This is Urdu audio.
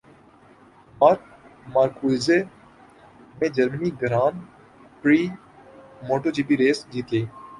مارک مارکوئز نے جرمنی گران پری موٹو جی پی ریس جیت لی